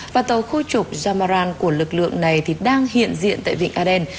và tàu khu trục jamaran của lực lượng này thì đang hiện diện tại vịnh aden